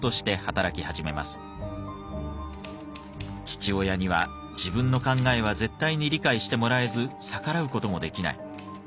父親には自分の考えは絶対に理解してもらえず逆らう事もできない。